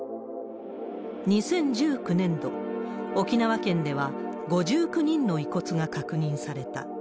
２０１９年度、沖縄県では５９人の遺骨が確認された。